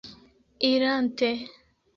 irante